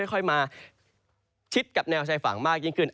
ค่อยมาชิดกับแนวชายฝั่งมากยิ่งขึ้น